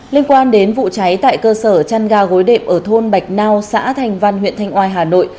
liên quan đến vụ cháy tại cơ sở trăn gà gối đệm ở thôn bạch nau xã thành văn huyện thanh oai hà nội